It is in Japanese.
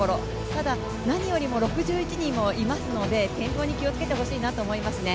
ただ、何よりも６１人もいますので、転倒に気をつけてほしいなと思いますね。